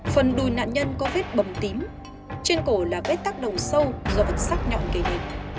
phần đùi nạn nhân có vết bầm tím trên cổ là vết tắc đồng sâu do ẩn sắc nhọn kề đề